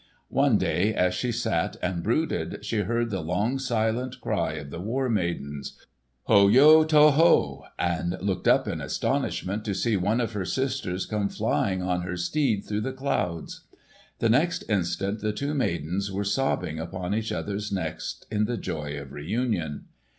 One day as she sat and brooded, she heard the long silent cry of the War Maidens, "Hoyo to ho!" and looked up in astonishment to see one of her sisters come flying on her steed through the clouds. The next instant the two maidens were sobbing upon each other's necks in the joy of reunion.